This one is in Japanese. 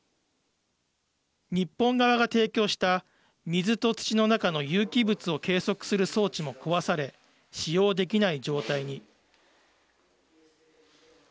日本側が提供した水と土の中の有機物を計測する装置も壊され使用できない状態に。